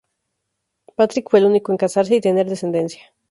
Patrick fue el único en casarse y tener descendencia.